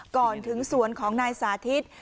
ก่อนถึงสวนของนายสาธิต